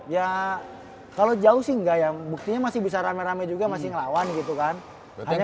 ya kalau jauh sih enggak ya buktinya masih bisa rame rame juga masih ngelawan gitu kan